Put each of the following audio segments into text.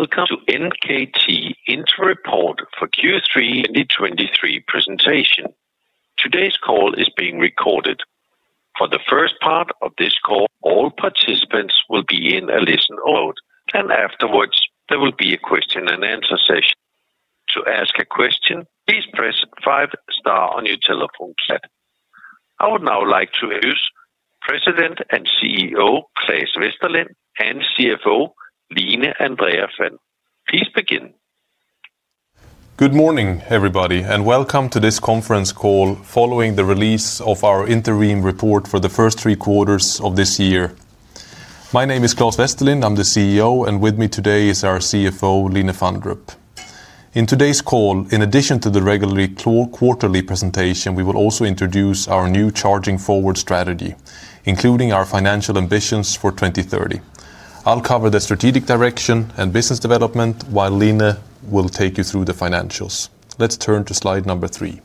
Welcome to NKT Interim Report for Q3 2025 presentation. Today's call is being recorded. For the first part of this call, all participants will be in listen mode, and afterwards, there will be a question-and-answer session. To ask a question, please press five-star on your telephone set. I would now like to introduce President and CEO Claes Westerlind and CFO Line Andrea Fandrup. Please begin. Good morning, everybody, and welcome to this conference call following the release of our interim report for the first three quarters of this year. My name is Claes Westerlind, I'm the CEO, and with me today is our CFO, Line Fandrup. In today's call, in addition to the regular quarterly presentation, we will also introduce our new Charging Forward strategy, including our financial ambitions for 2030. I'll cover the strategic direction and business development, while Line will take you through the financials. Let's turn to slide number three.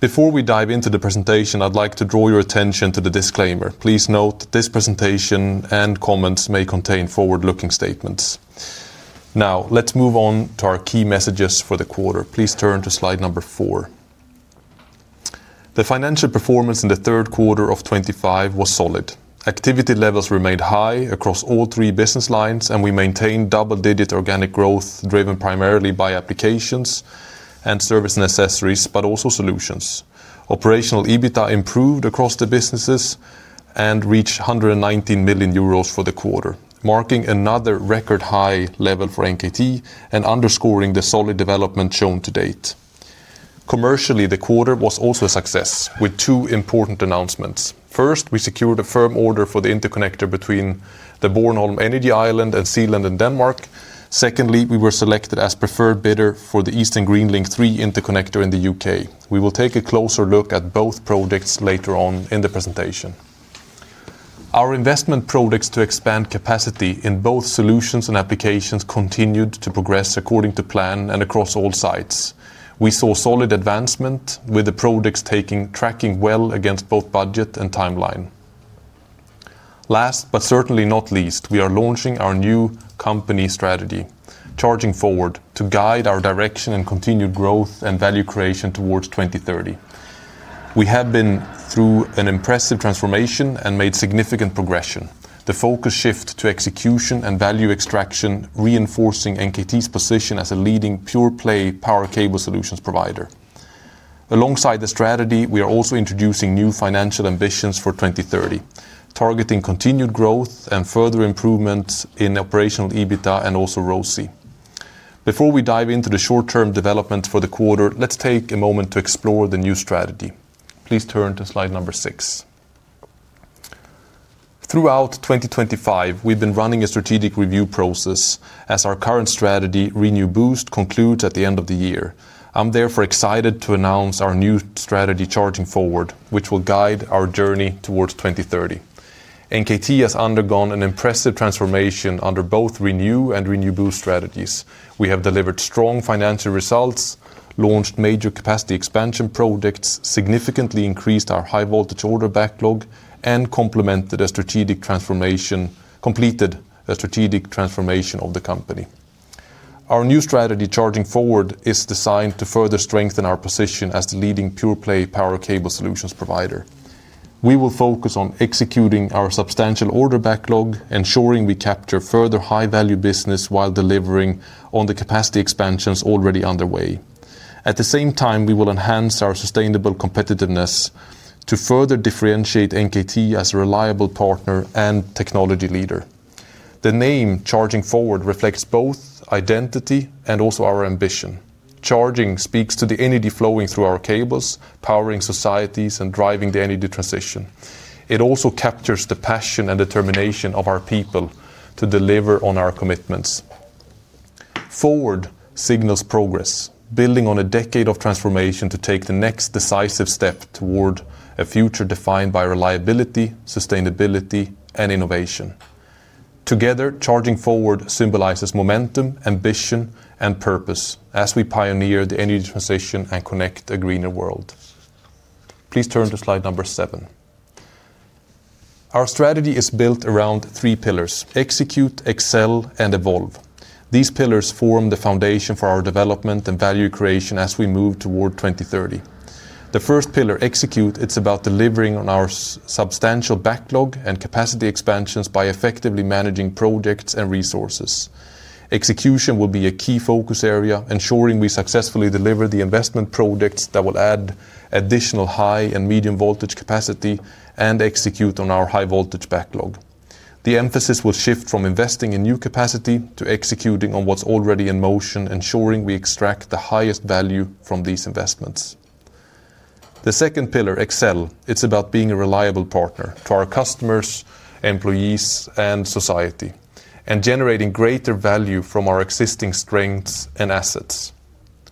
Before we dive into the presentation, I'd like to draw your attention to the disclaimer. Please note this presentation and comments may contain forward-looking statements. Now, let's move on to our key messages for the quarter. Please turn to slide number four. The financial performance in the third quarter of 2025 was solid. Activity levels remained high across all three business lines, and we maintained double-digit organic growth driven primarily by applications and service necessities, but also solutions. Operational EBITDA improved across the businesses and reached 119 million euros for the quarter, marking another record high level for NKT and underscoring the solid development shown to date. Commercially, the quarter was also a success with two important announcements. First, we secured a firm order for the interconnector between the Bornholm Energy Island and Zealand in Denmark. Secondly, we were selected as preferred bidder for the Eastern Green Link 3 interconnector in the U.K. We will take a closer look at both projects later on in the presentation. Our investment projects to expand capacity in both solutions and applications continued to progress according to plan and across all sites. We saw solid advancement with the projects tracking well against both budget and timeline. Last but certainly not least, we are launching our new company strategy, Charging Forward, to guide our direction and continued growth and value creation towards 2030. We have been through an impressive transformation and made significant progression. The focus shifts to execution and value extraction, reinforcing NKT's position as a leading pure-play power cable solutions provider. Alongside the strategy, we are also introducing new financial ambitions for 2030, targeting continued growth and further improvements in operational EBITDA and also RoCE. Before we dive into the short-term development for the quarter, let's take a moment to explore the new strategy. Please turn to slide number six. Throughout 2025, we have been running a strategic review process as our current strategy, ReNew BOOST, concludes at the end of the year. I am therefore excited to announce our new strategy, Charging Forward, which will guide our journey towards 2030. NKT has undergone an impressive transformation under both ReNew and ReNew BOOST strategies. We have delivered strong financial results, launched major capacity expansion projects, significantly increased our high-voltage order backlog, and complemented a strategic transformation of the company. Our new strategy, Charging Forward, is designed to further strengthen our position as the leading pure-play power cable solutions provider. We will focus on executing our substantial order backlog, ensuring we capture further high-value business while delivering on the capacity expansions already underway. At the same time, we will enhance our sustainable competitiveness to further differentiate NKT as a reliable partner and technology leader. The name Charging Forward reflects both identity and also our ambition. Charging speaks to the energy flowing through our cables, powering societies and driving the energy transition. It also captures the passion and determination of our people to deliver on our commitments. Forward signals progress, building on a decade of transformation to take the next decisive step toward a future defined by reliability, sustainability, and innovation. Together, Charging Forward symbolizes momentum, ambition, and purpose as we pioneer the energy transition and connect a greener world. Please turn to slide number seven. Our strategy is built around three pillars: execute, excel, and evolve. These pillars form the foundation for our development and value creation as we move toward 2030. The first pillar, execute, is about delivering on our substantial backlog and capacity expansions by effectively managing projects and resources. Execution will be a key focus area, ensuring we successfully deliver the investment projects that will add additional high and medium voltage capacity and execute on our high-voltage backlog. The emphasis will shift from investing in new capacity to executing on what's already in motion, ensuring we extract the highest value from these investments. The second pillar, excel, is about being a reliable partner to our customers, employees, and society, and generating greater value from our existing strengths and assets.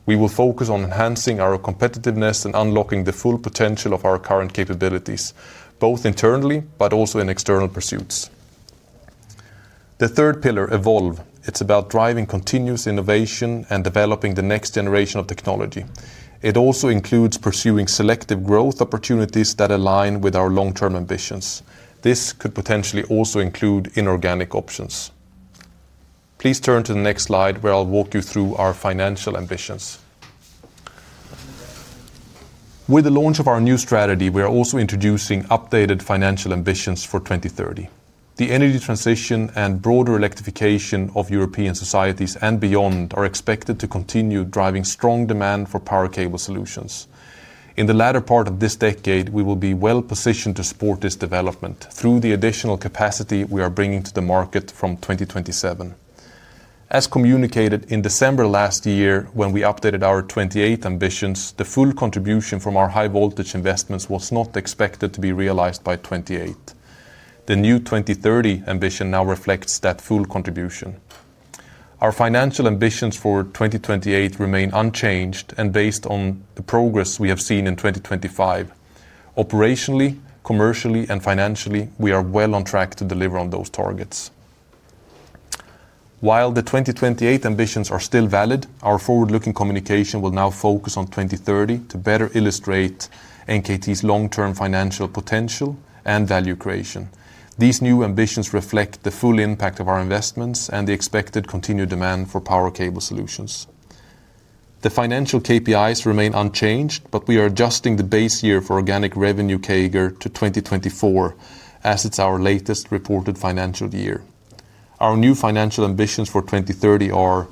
We will focus on enhancing our competitiveness and unlocking the full potential of our current capabilities, both internally but also in external pursuits. The third pillar, evolve, is about driving continuous innovation and developing the next generation of technology. It also includes pursuing selective growth opportunities that align with our long-term ambitions. This could potentially also include inorganic options. Please turn to the next slide where I'll walk you through our financial ambitions. With the launch of our new strategy, we are also introducing updated financial ambitions for 2030. The energy transition and broader electrification of European societies and beyond are expected to continue driving strong demand for power cable solutions. In the latter part of this decade, we will be well positioned to support this development through the additional capacity we are bringing to the market from 2027. As communicated in December last year when we updated our 2028 ambitions, the full contribution from our high-voltage investments was not expected to be realized by 2028. The new 2030 ambition now reflects that full contribution. Our financial ambitions for 2028 remain unchanged and based on the progress we have seen in 2025. Operationally, commercially, and financially, we are well on track to deliver on those targets. While the 2028 ambitions are still valid, our forward-looking communication will now focus on 2030 to better illustrate NKT's long-term financial potential and value creation. These new ambitions reflect the full impact of our investments and the expected continued demand for power cable solutions. The financial KPIs remain unchanged, but we are adjusting the base year for organic revenue CAGR to 2024 as it's our latest reported financial year. Our new financial ambitions for 2030 are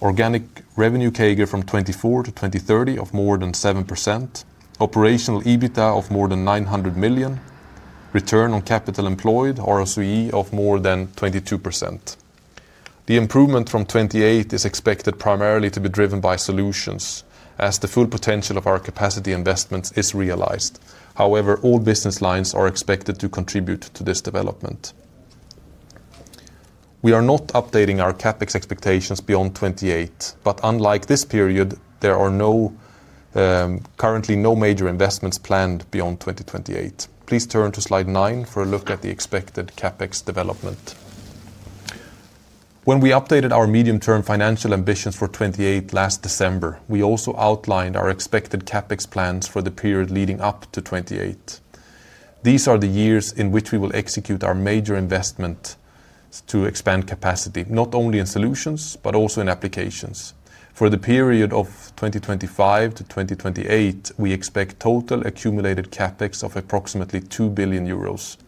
organic revenue CAGR from 2024 to 2030 of more than 7%, operational EBITDA of more than 900 million, return on capital employed, or RoCE, of more than 22%. The improvement from 2028 is expected primarily to be driven by solutions as the full potential of our capacity investments is realized. However, all business lines are expected to contribute to this development. We are not updating our CapEx expectations beyond 2028, but unlike this period, there are currently no major investments planned beyond 2028. Please turn to slide nine for a look at the expected CapEx development. When we updated our medium-term financial ambitions for 2028 last December, we also outlined our expected CapEx plans for the period leading up to 2028. These are the years in which we will execute our major investment to expand capacity, not only in solutions but also in applications. For the period of 2025-2028, we expect total accumulated CapEx of approximately 2 billion euros.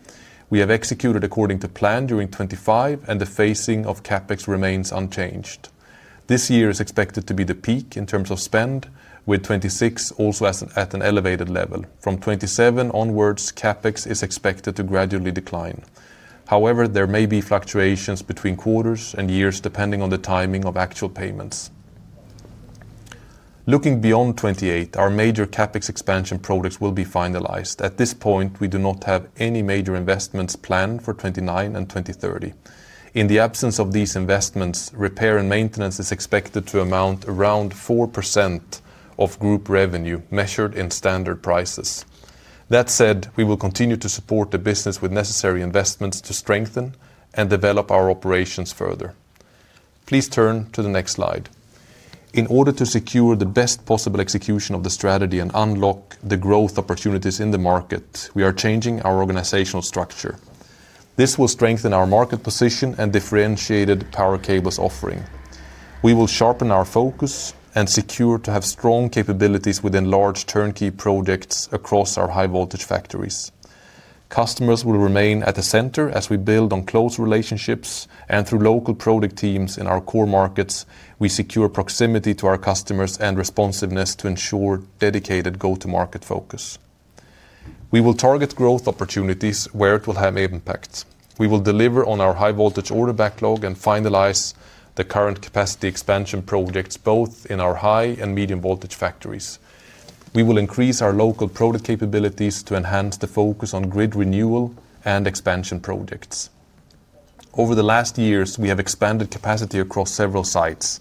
We have executed according to plan during 2025, and the phasing of CapEx remains unchanged. This year is expected to be the peak in terms of spend, with 2026 also at an elevated level. From 2027 onwards, CapEx is expected to gradually decline. However, there may be fluctuations between quarters and years depending on the timing of actual payments. Looking beyond 2028, our major CapEx expansion projects will be finalized. At this point, we do not have any major investments planned for 2029 and 2030. In the absence of these investments, repair and maintenance is expected to amount around 4% of group revenue measured in standard prices. That said, we will continue to support the business with necessary investments to strengthen and develop our operations further. Please turn to the next slide. In order to secure the best possible execution of the strategy and unlock the growth opportunities in the market, we are changing our organizational structure. This will strengthen our market position and differentiated power cables offering. We will sharpen our focus and secure to have strong capabilities within large turnkey projects across our high-voltage factories. Customers will remain at the center as we build on close relationships, and through local product teams in our core markets, we secure proximity to our customers and responsiveness to ensure dedicated go-to-market focus. We will target growth opportunities where it will have impact. We will deliver on our high-voltage order backlog and finalize the current capacity expansion projects both in our high and medium-voltage factories. We will increase our local product capabilities to enhance the focus on grid renewal and expansion projects. Over the last years, we have expanded capacity across several sites,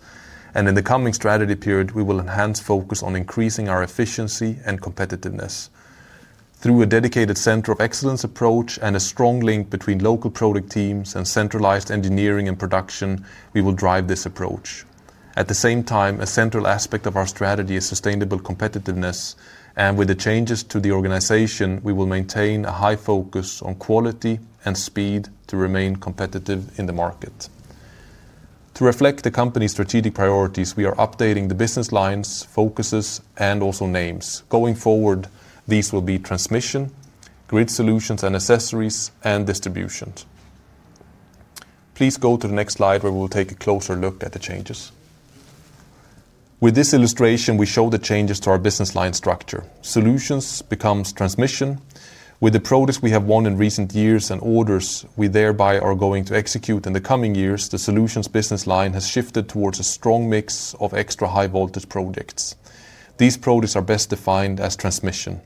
and in the coming strategy period, we will enhance focus on increasing our efficiency and competitiveness. Through a dedicated center of excellence approach and a strong link between local product teams and centralized engineering and production, we will drive this approach. At the same time, a central aspect of our strategy is sustainable competitiveness, and with the changes to the organization, we will maintain a high focus on quality and speed to remain competitive in the market. To reflect the company's strategic priorities, we are updating the business lines, focuses, and also names. Going forward, these will be transmission, grid solutions and accessories, and distribution. Please go to the next slide where we will take a closer look at the changes. With this illustration, we show the changes to our business line structure. Solutions becomes transmission. With the projects we have won in recent years and orders we thereby are going to execute in the coming years, the solutions business line has shifted towards a strong mix of extra high-voltage projects. These projects are best defined as transmission.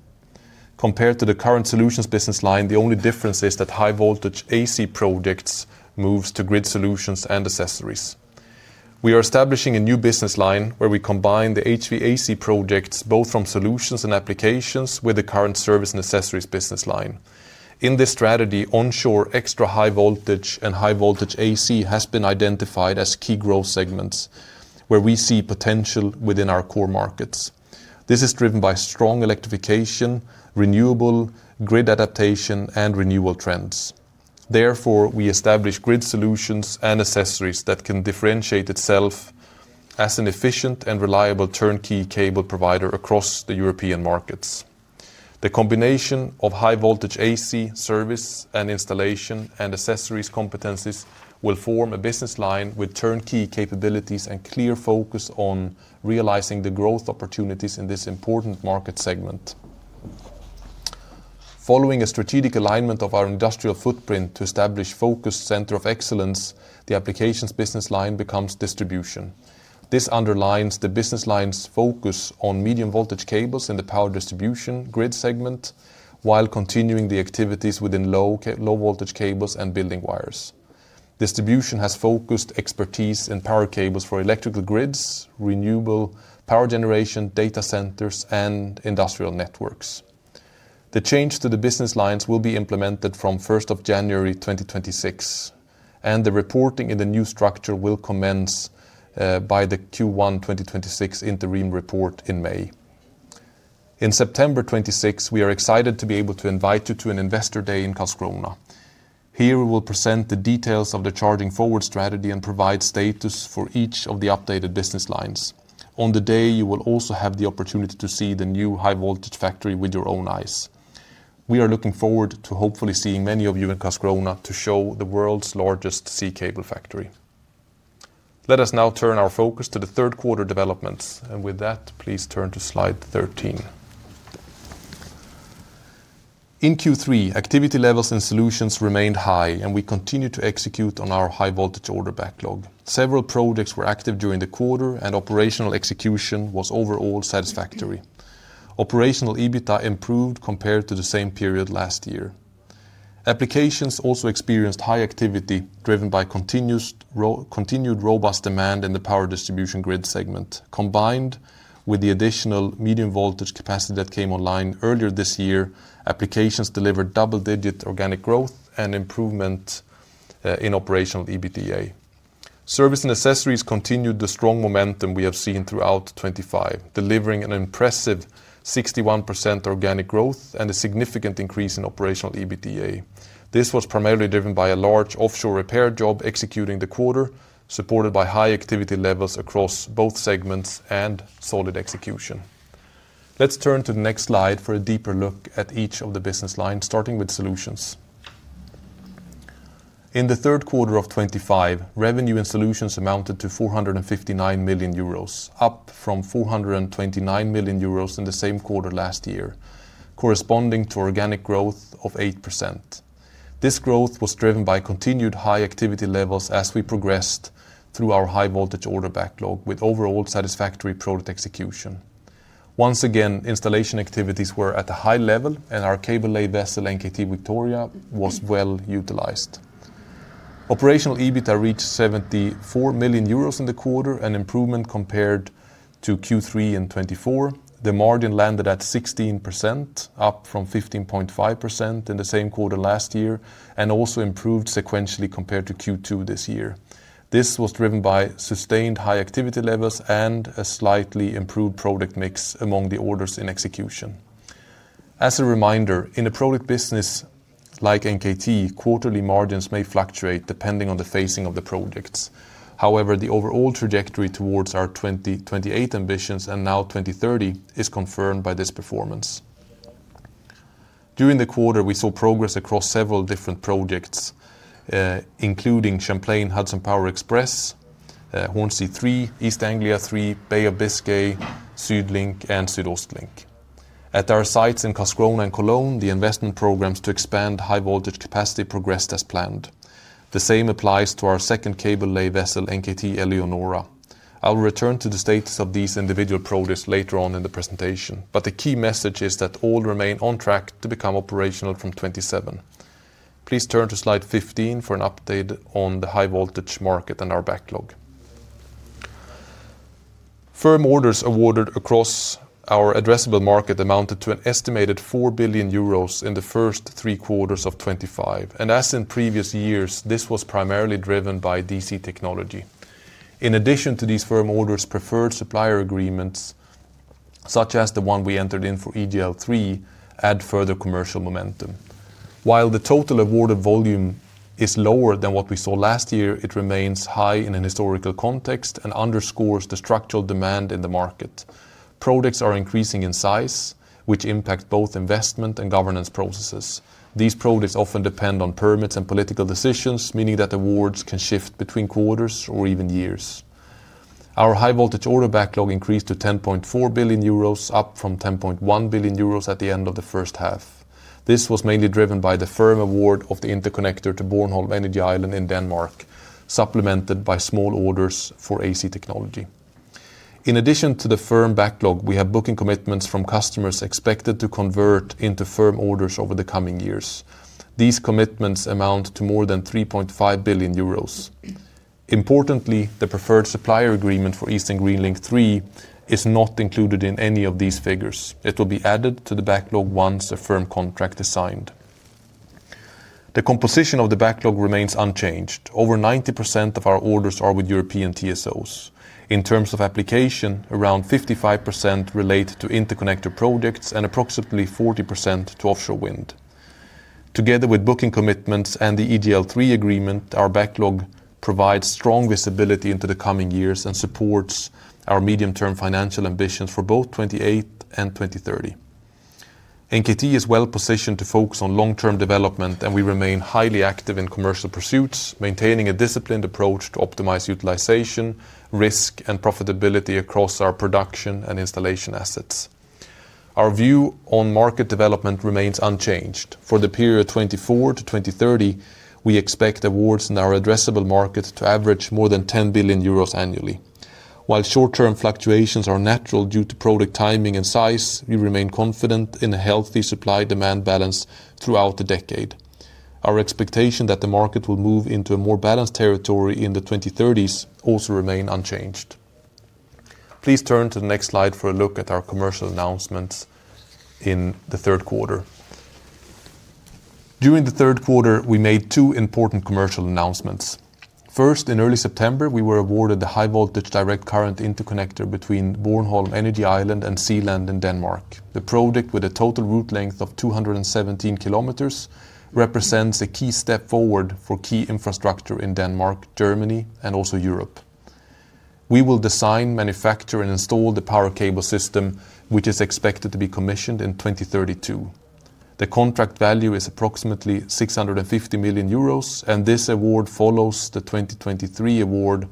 Compared to the current solutions business line, the only difference is that high-voltage AC projects move to grid solutions and accessories. We are establishing a new business line where we combine the HVAC projects both from solutions and applications with the current service and accessories business line. In this strategy, onshore extra high voltage and high-voltage AC has been identified as key growth segments where we see potential within our core markets. This is driven by strong electrification, renewable grid adaptation, and renewal trends. Therefore, we establish grid solutions and accessories that can differentiate itself as an efficient and reliable turnkey cable provider across the European markets. The combination of high-voltage AC service and installation and accessories competencies will form a business line with turnkey capabilities and clear focus on realizing the growth opportunities in this important market segment. Following a strategic alignment of our industrial footprint to establish a focused center of excellence, the applications business line becomes distribution. This underlines the business line's focus on medium-voltage cables in the power distribution grid segment while continuing the activities within low-voltage cables and building wires. Distribution has focused expertise in power cables for electrical grids, renewable power generation, data centers, and industrial networks. The change to the business lines will be implemented from 1st of January 2026, and the reporting in the new structure will commence by the Q1 2026 interim report in May. In September 2026, we are excited to be able to invite you to an investor day in Karlskrona. Here, we will present the details of the Charging Forward strategy and provide status for each of the updated business lines. On the day, you will also have the opportunity to see the new high-voltage factory with your own eyes. We are looking forward to hopefully seeing many of you in Karlskrona to show the world's largest DC cable factory. Let us now turn our focus to the third quarter developments, and with that, please turn to slide 13. In Q3, activity levels and solutions remained high, and we continued to execute on our high-voltage order backlog. Several projects were active during the quarter, and operational execution was overall satisfactory. Operational EBITDA improved compared to the same period last year. Applications also experienced high activity driven by continued robust demand in the power distribution grid segment. Combined with the additional medium-voltage capacity that came online earlier this year, applications delivered double-digit organic growth and improvement in operational EBITDA. Service and accessories continued the strong momentum we have seen throughout 2025, delivering an impressive 61% organic growth and a significant increase in operational EBITDA. This was primarily driven by a large offshore repair job executing the quarter, supported by high activity levels across both segments and solid execution. Let's turn to the next slide for a deeper look at each of the business lines, starting with solutions. In the third quarter of 2025, revenue in solutions amounted to 459 million euros, up from 429 million euros in the same quarter last year, corresponding to organic growth of 8%. This growth was driven by continued high activity levels as we progressed through our high-voltage order backlog, with overall satisfactory product execution. Once again, installation activities were at a high level, and our cable lay vessel NKT Victoria was well utilized. Operational EBITDA reached 74 million euros in the quarter, an improvement compared to Q3 in 2024. The margin landed at 16%, up from 15.5% in the same quarter last year, and also improved sequentially compared to Q2 this year. This was driven by sustained high activity levels and a slightly improved product mix among the orders in execution. As a reminder, in a product business like NKT, quarterly margins may fluctuate depending on the phasing of the projects. However, the overall trajectory towards our 2028 ambitions and now 2030 is confirmed by this performance. During the quarter, we saw progress across several different projects, including Champlain Hudson Power Express, Hornsea 3, East Anglia 3, Bay of Biscay, SuedLink, and SuedOstLink. At our sites in Karlskrona and Cologne, the investment programs to expand high-voltage capacity progressed as planned. The same applies to our second cable lay vessel, NKT Eleonora. I will return to the status of these individual projects later on in the presentation, but the key message is that all remain on track to become operational from 2027. Please turn to slide 15 for an update on the high-voltage market and our backlog. Firm orders awarded across our addressable market amounted to an estimated 4 billion euros in the first three quarters of 2025, and as in previous years, this was primarily driven by DC technology. In addition to these firm orders, preferred supplier agreements, such as the one we entered in for EGL3, add further commercial momentum. While the total awarded volume is lower than what we saw last year, it remains high in a historical context and underscores the structural demand in the market. Products are increasing in size, which impacts both investment and governance processes. These products often depend on permits and political decisions, meaning that awards can shift between quarters or even years. Our high-voltage order backlog increased to 10.4 billion euros, up from 10.1 billion euros at the end of the first half. This was mainly driven by the firm award of the interconnector to Bornholm Energy Island in Denmark, supplemented by small orders for AC technology. In addition to the firm backlog, we have booking commitments from customers expected to convert into firm orders over the coming years. These commitments amount to more than 3.5 billion euros. Importantly, the preferred supplier agreement for Eastern Green Link 3 is not included in any of these figures. It will be added to the backlog once a firm contract is signed. The composition of the backlog remains unchanged. Over 90% of our orders are with European TSOs. In terms of application, around 55% relate to interconnector projects and approximately 40% to offshore wind. Together with booking commitments and the EGL3 agreement, our backlog provides strong visibility into the coming years and supports our medium-term financial ambitions for both 2028 and 2030. NKT is well positioned to focus on long-term development, and we remain highly active in commercial pursuits, maintaining a disciplined approach to optimize utilization, risk, and profitability across our production and installation assets. Our view on market development remains unchanged. For the period 2024-2030, we expect awards in our addressable market to average more than 10 billion euros annually. While short-term fluctuations are natural due to project timing and size, we remain confident in a healthy supply-demand balance throughout the decade. Our expectation that the market will move into a more balanced territory in the 2030s also remains unchanged. Please turn to the next slide for a look at our commercial announcements in the third quarter. During the third quarter, we made two important commercial announcements. First, in early September, we were awarded the high-voltage direct current interconnector between Bornholm Energy Island and Zealand in Denmark. The project, with a total route length of 217 km, represents a key step forward for key infrastructure in Denmark, Germany, and also Europe. We will design, manufacture, and install the power cable system, which is expected to be commissioned in 2032. The contract value is approximately 650 million euros, and this award follows the 2023 award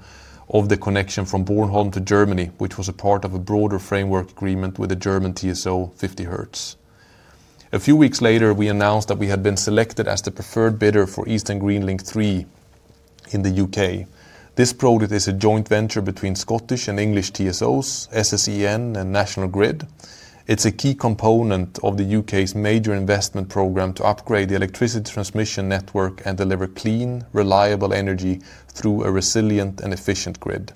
of the connection from Bornholm to Germany, which was a part of a broader framework agreement with the German TSO 50Hertz. A few weeks later, we announced that we had been selected as the preferred bidder for Eastern Green Link 3 in the U.K. This project is a joint venture between Scottish and English TSOs, SSEN, and National Grid. It's a key component of the U.K.'s major investment program to upgrade the electricity transmission network and deliver clean, reliable energy through a resilient and efficient grid.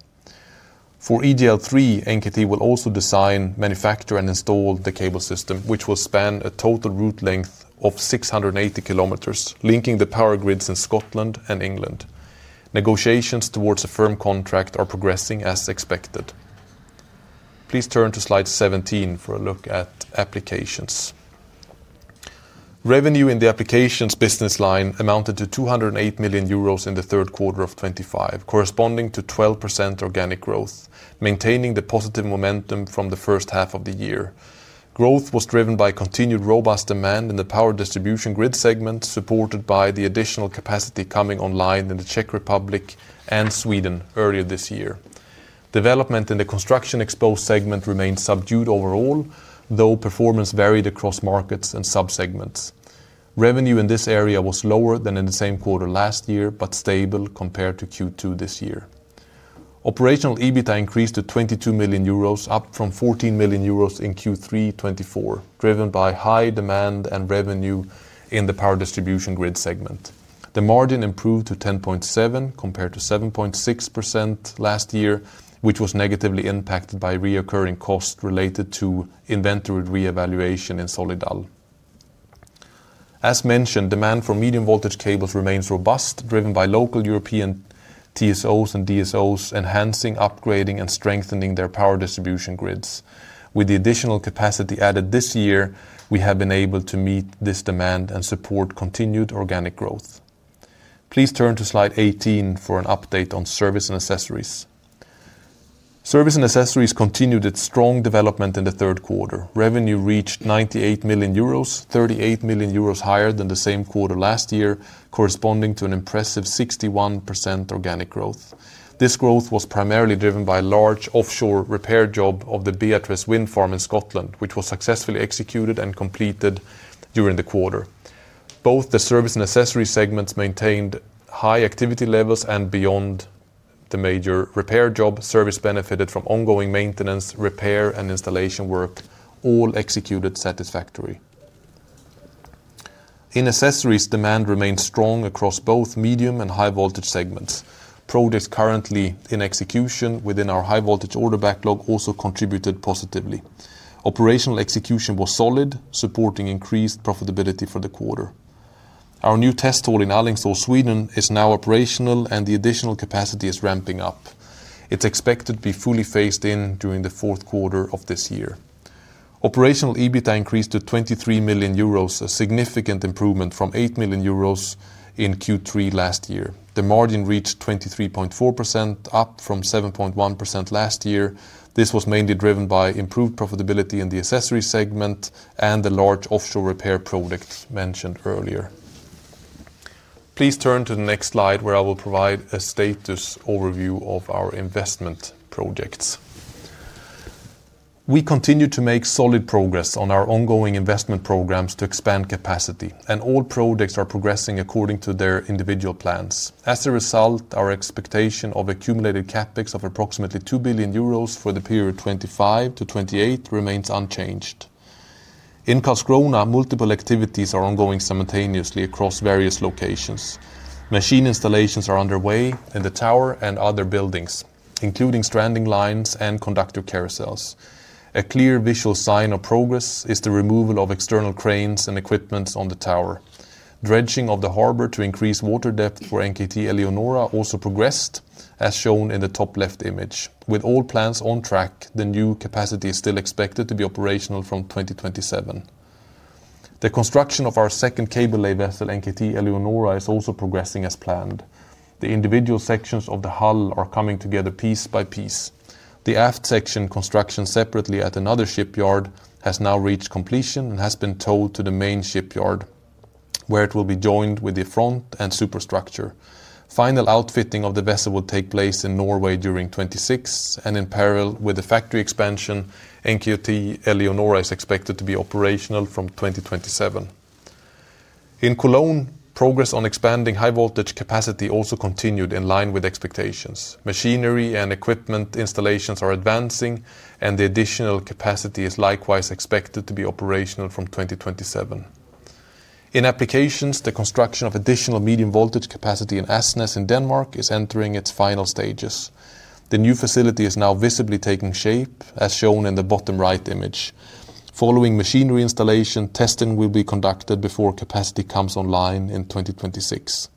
For EGL3, NKT will also design, manufacture, and install the cable system, which will span a total route length of 680 km, linking the power grids in Scotland and England. Negotiations towards a firm contract are progressing as expected. Please turn to slide 17 for a look at applications. Revenue in the applications business line amounted to 208 million euros in the third quarter of 2025, corresponding to 12% organic growth, maintaining the positive momentum from the first half of the year. Growth was driven by continued robust demand in the power distribution grid segment, supported by the additional capacity coming online in the Czech Republic and Sweden earlier this year. Development in the construction exposed segment remained subdued overall, though performance varied across markets and subsegments. Revenue in this area was lower than in the same quarter last year but stable compared to Q2 this year. Operational EBITDA increased to 22 million euros, up from 14 million euros in Q3 2024, driven by high demand and revenue in the power distribution grid segment. The margin improved to 10.7% compared to 7.6% last year, which was negatively impacted by reoccurring costs related to inventory re-evaluation in SolidAl. As mentioned, demand for medium-voltage cables remains robust, driven by local European TSOs and DSOs enhancing, upgrading, and strengthening their power distribution grids. With the additional capacity added this year, we have been able to meet this demand and support continued organic growth. Please turn to slide 18 for an update on service and accessories. Service and accessories continued its strong development in the third quarter. Revenue reached 98 million euros, 38 million euros higher than the same quarter last year, corresponding to an impressive 61% organic growth. This growth was primarily driven by a large offshore repair job of the Beatrice Wind Farm in Scotland, which was successfully executed and completed during the quarter. Both the service and accessory segments maintained high activity levels and beyond the major repair job. Service benefited from ongoing maintenance, repair, and installation work, all executed satisfactorily. In accessories, demand remained strong across both medium and high-voltage segments. Projects currently in execution within our high-voltage order backlog also contributed positively. Operational execution was solid, supporting increased profitability for the quarter. Our new test hall in Alingsås, Sweden, is now operational, and the additional capacity is ramping up. It is expected to be fully phased in during the fourth quarter of this year. Operational EBITDA increased to 23 million euros, a significant improvement from 8 million euros in Q3 last year. The margin reached 23.4%, up from 7.1% last year. This was mainly driven by improved profitability in the accessory segment and the large offshore repair project mentioned earlier. Please turn to the next slide, where I will provide a status overview of our investment projects. We continue to make solid progress on our ongoing investment programs to expand capacity, and all projects are progressing according to their individual plans. As a result, our expectation of accumulated CapEx of approximately 2 billion euros for the period 2025-2028 remains unchanged. In Karlskrona, multiple activities are ongoing simultaneously across various locations. Machine installations are underway in the tower and other buildings, including stranding lines and conductor carousels. A clear visual sign of progress is the removal of external cranes and equipment on the tower. Dredging of the harbor to increase water depth for NKT Eleonora also progressed, as shown in the top left image. With all plans on track, the new capacity is still expected to be operational from 2027. The construction of our second cable lay vessel, NKT Eleonora, is also progressing as planned. The individual sections of the hull are coming together piece by piece. The aft section construction separately at another shipyard has now reached completion and has been towed to the main shipyard, where it will be joined with the front and superstructure. Final outfitting of the vessel will take place in Norway during 2026, and in parallel with the factory expansion, NKT Eleonora is expected to be operational from 2027. In Cologne, progress on expanding high-voltage capacity also continued in line with expectations. Machinery and equipment installations are advancing, and the additional capacity is likewise expected to be operational from 2027. In applications, the construction of additional medium-voltage capacity in Asnaes in Denmark is entering its final stages. The new facility is now visibly taking shape, as shown in the bottom right image. Following machinery installation, testing will be conducted before capacity comes online in 2026.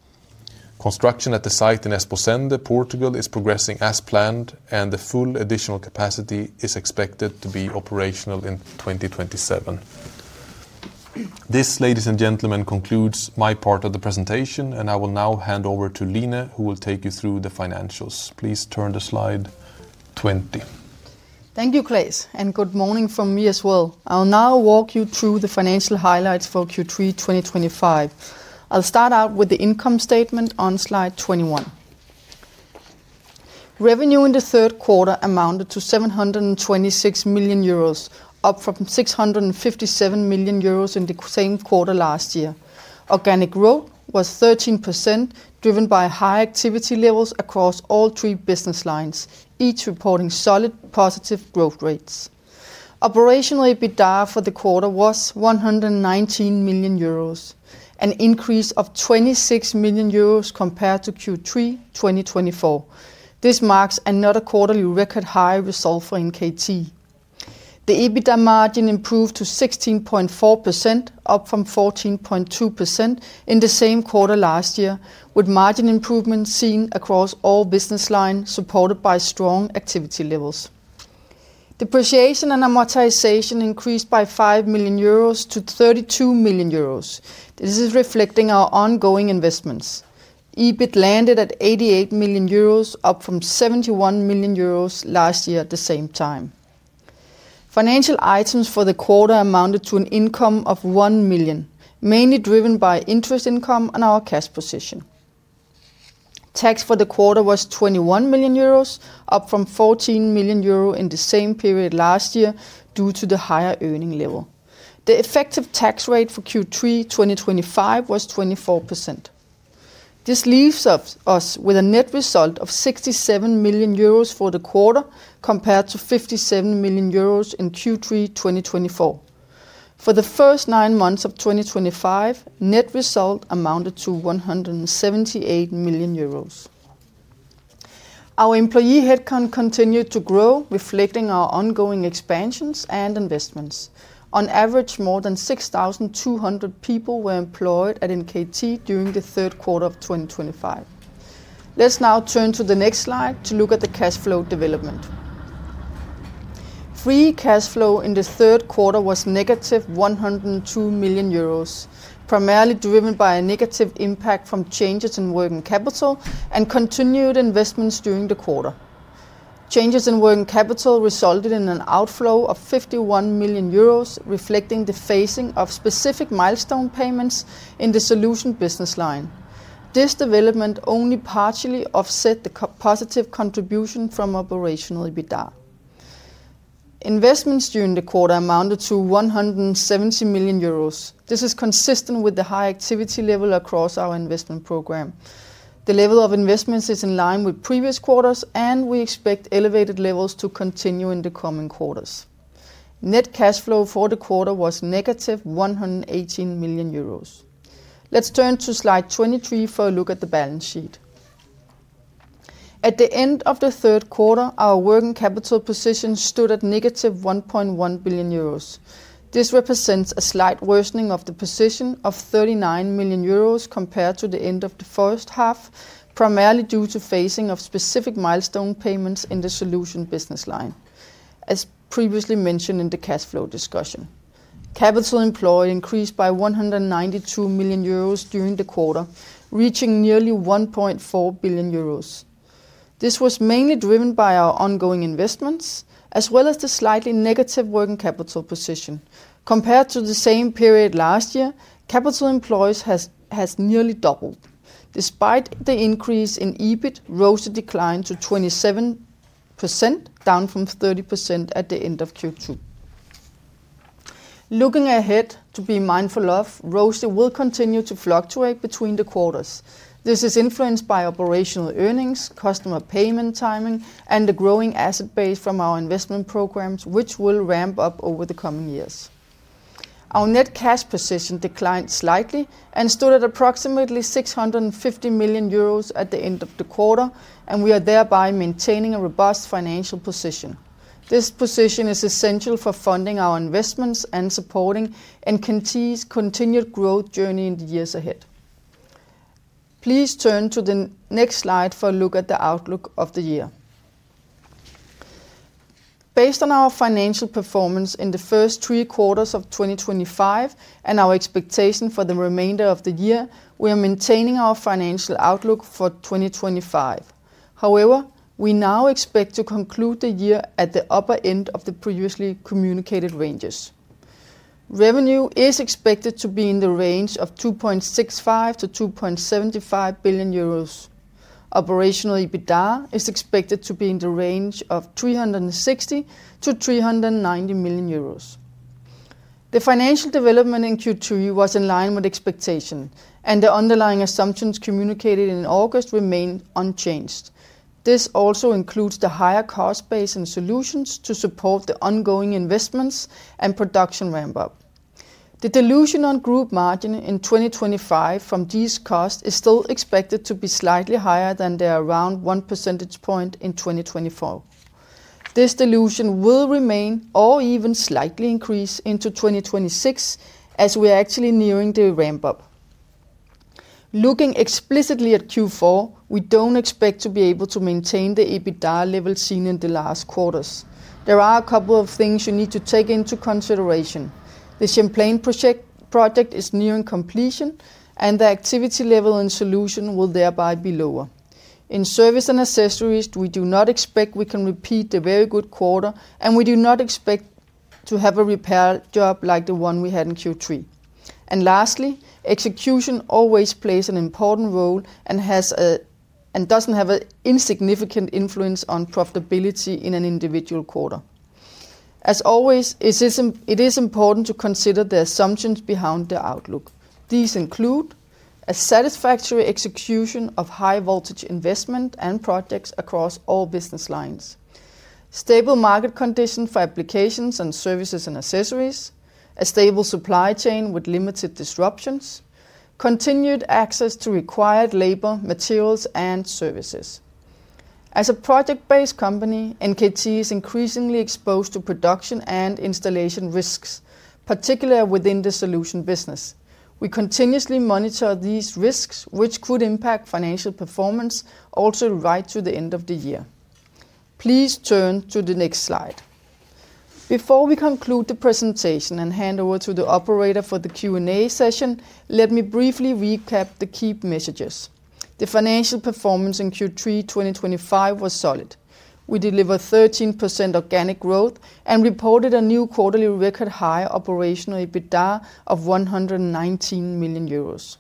Construction at the site in Esposende, Portugal, is progressing as planned, and the full additional capacity is expected to be operational in 2027. This, ladies and gentlemen, concludes my part of the presentation, and I will now hand over to Line, who will take you through the financials. Please turn to slide 20. Thank you, Claes, and good morning from me as well. I'll now walk you through the financial highlights for Q3 2025. I'll start out with the income statement on slide 21. Revenue in the third quarter amounted to 726 million euros, up from 657 million euros in the same quarter last year. Organic growth was 13%, driven by high activity levels across all three business lines, each reporting solid positive growth rates. Operational EBITDA for the quarter was 119 million euros, an increase of 26 million euros compared to Q3 2024. This marks another quarterly record high result for NKT. The EBITDA margin improved to 16.4%, up from 14.2% in the same quarter last year, with margin improvements seen across all business lines supported by strong activity levels. Depreciation and amortization increased by 5 million euros to 32 million euros. This is reflecting our ongoing investments. EBIT landed at 88 million euros, up from 71 million euros last year at the same time. Financial items for the quarter amounted to an income of 1 million, mainly driven by interest income and our cash position. Tax for the quarter was 21 million euros, up from 14 million euro in the same period last year due to the higher earning level. The effective tax rate for Q3 2025 was 24%. This leaves us with a net result of 67 million euros for the quarter compared to 57 million euros in Q3 2024. For the first nine months of 2025, net result amounted to 178 million euros. Our employee headcount continued to grow, reflecting our ongoing expansions and investments. On average, more than 6,200 people were employed at NKT during the third quarter of 2025. Let's now turn to the next slide to look at the cash flow development. Free cash flow in the third quarter was negative 102 million euros, primarily driven by a negative impact from changes in working capital and continued investments during the quarter. Changes in working capital resulted in an outflow of 51 million euros, reflecting the phasing of specific milestone payments in the solution business line. This development only partially offset the positive contribution from operational EBITDA. Investments during the quarter amounted to 170 million euros. This is consistent with the high activity level across our investment program. The level of investments is in line with previous quarters, and we expect elevated levels to continue in the coming quarters. Net cash flow for the quarter was -118 million euros. Let's turn to slide 23 for a look at the balance sheet. At the end of the third quarter, our working capital position stood at -1.1 billion euros. This represents a slight worsening of the position of 39 million euros compared to the end of the first half, primarily due to phasing of specific milestone payments in the Solutions business line, as previously mentioned in the cash flow discussion. Capital employed increased by 192 million euros during the quarter, reaching nearly 1.4 billion euros. This was mainly driven by our ongoing investments, as well as the slightly negative working capital position. Compared to the same period last year, capital employed has nearly doubled. Despite the increase in EBIT, RoCE declined to 27%, down from 30% at the end of Q2. Looking ahead to be mindful of, RoCE will continue to fluctuate between the quarters. This is influenced by operational earnings, customer payment timing, and the growing asset base from our investment programs, which will ramp up over the coming years. Our net cash position declined slightly and stood at approximately 650 million euros at the end of the quarter, and we are thereby maintaining a robust financial position. This position is essential for funding our investments and supporting NKT's continued growth journey in the years ahead. Please turn to the next slide for a look at the outlook of the year. Based on our financial performance in the first three quarters of 2025 and our expectation for the remainder of the year, we are maintaining our financial outlook for 2025. However, we now expect to conclude the year at the upper end of the previously communicated ranges. Revenue is expected to be in the range of 2.65 billion-2.75 billion euros. Operational EBITDA is expected to be in the range of 360 million-390 million euros. The financial development in Q3 was in line with expectation, and the underlying assumptions communicated in August remained unchanged. This also includes the higher cost base and solutions to support the ongoing investments and production ramp-up. The dilution on group margin in 2025 from these costs is still expected to be slightly higher than their around one percentage point in 2024. This dilution will remain or even slightly increase into 2026 as we are actually nearing the ramp-up. Looking explicitly at Q4, we do not expect to be able to maintain the EBITDA level seen in the last quarters. There are a couple of things you need to take into consideration. The Champlain project is nearing completion, and the activity level in solution will thereby be lower. In service and accessories, we do not expect we can repeat the very good quarter, and we do not expect to have a repair job like the one we had in Q3. Lastly, execution always plays an important role and does not have an insignificant influence on profitability in an individual quarter. As always, it is important to consider the assumptions behind the outlook. These include a satisfactory execution of high-voltage investment and projects across all business lines, stable market conditions for applications and services and accessories, a stable supply chain with limited disruptions, and continued access to required labor, materials, and services. As a project-based company, NKT is increasingly exposed to production and installation risks, particularly within the solution business. We continuously monitor these risks, which could impact financial performance also right to the end of the year. Please turn to the next slide. Before we conclude the presentation and hand over to the operator for the Q&A session, let me briefly recap the key messages. The financial performance in Q3 2025 was solid. We delivered 13% organic growth and reported a new quarterly record high operational EBITDA of 119 million euros.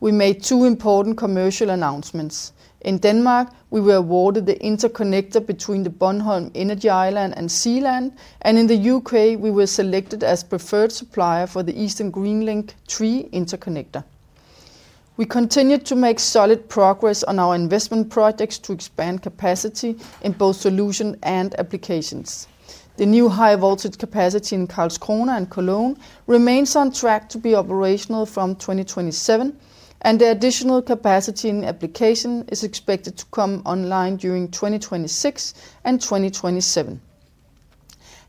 We made two important commercial announcements. In Denmark, we were awarded the interconnector between the Bornholm Energy Island and Zealand, and in the U.K., we were selected as preferred supplier for the Eastern Green Link 3 interconnector. We continued to make solid progress on our investment projects to expand capacity in both solution and applications. The new high-voltage capacity in Karlskrona and Cologne remains on track to be operational from 2027, and the additional capacity in application is expected to come online during 2026 and 2027.